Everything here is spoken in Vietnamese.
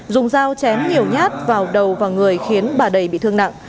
dùng dao chém nhiều nhát vào đầu và người khiến bà đầy bị thương nặng